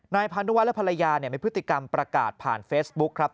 พานุวัฒและภรรยามีพฤติกรรมประกาศผ่านเฟซบุ๊คครับ